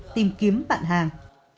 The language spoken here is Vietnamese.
tìm kiếm bạn hàng